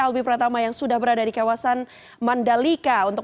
albi pertama yang sudah berada di kawasan